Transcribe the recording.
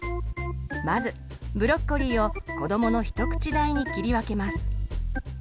まずブロッコリーを子どもの一口大に切り分けます。